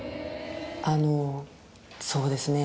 あのそうですね。